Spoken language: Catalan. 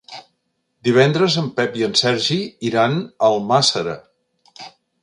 Divendres en Pep i en Sergi iran a Almàssera.